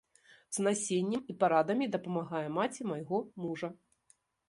З насеннем і парадамі дапамагае маці майго мужа.